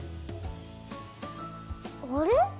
あれ？